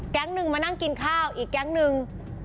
แก๊งนึงมานั่งกินข้าวอีกแก๊งนึง